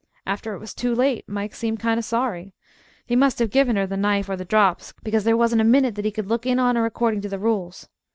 After it was too late, Mike seemed kind of sorry. He must have give her the knife or the drops, because there wasn't a minute that he could look in on her according to the rules.